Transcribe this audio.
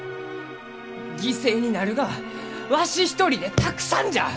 犠牲になるがはわし一人でたくさんじゃ！